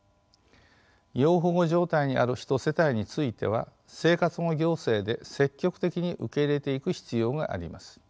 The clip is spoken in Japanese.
要保護状態にある人・世帯については生活保護行政で積極的に受け入れていく必要があります。